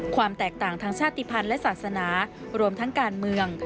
ความแตกต่างทางชาติภัณฑ์และศาสนารวมทั้งการเมือง